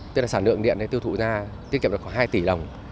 tức là sản lượng điện tiêu thụ ra tiết kiệm được khoảng hai tỷ đồng